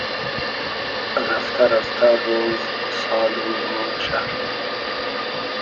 رئفتۂ رئفتۂ رۉز سال و ما موشۂ